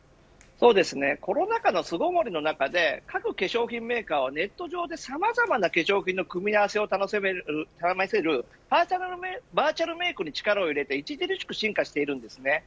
コロナ禍の巣ごもりの中で各化粧品メーカーは、ネット上でさまざまな化粧品の組み合わせを試せるバーチャルメイクに力を入れて著しく進化しています。